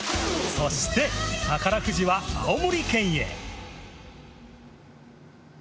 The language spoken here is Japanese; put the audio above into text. そして宝富士は青森県へ。